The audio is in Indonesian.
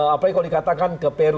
apalagi kalau dikatakan ke peru